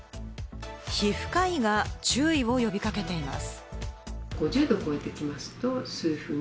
皮膚科医が注意を呼び掛けています。